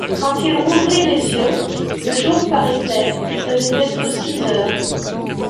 Quand il rouvrit les yeux, le jour paraissait, il devait être six heures.